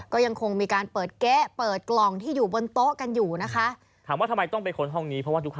ก็ยังคงมีการเปิดเก๊ะเปิดกล่องที่อยู่บนโต๊ะกันอยู่นะคะ